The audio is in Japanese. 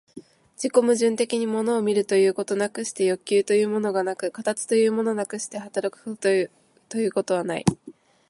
自己矛盾的に物を見るということなくして欲求というものがなく、形というものなくして働くということはない。